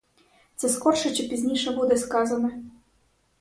Це скорше чи пізніше буде сказане.